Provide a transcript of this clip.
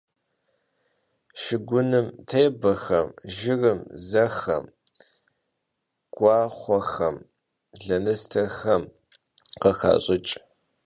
Şşıgunım têbexem, jjırım sexem, guaxhuexem, lenıstexem khıxaş'ıç'.